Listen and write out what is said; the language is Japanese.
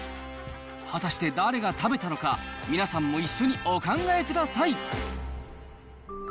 果たして誰が食べたのか、皆さんも一緒にお考えください。